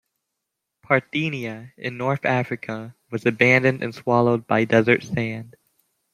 Parthenia, in north Africa, was abandoned and swallowed by desert sand.